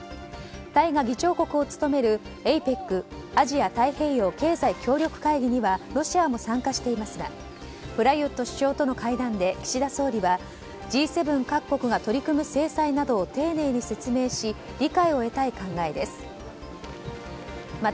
タイが議長国を務めるＡＰＥＣにはロシアも参加していますがプラユット首相との会談で岸田総理はＧ７各国が取り組む制裁などを丁寧に説明し理解を得たい考えです。